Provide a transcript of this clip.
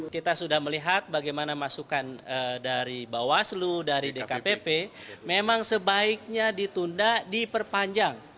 kita sudah melihat bagaimana masukan dari bawaslu dari dkpp memang sebaiknya ditunda diperpanjang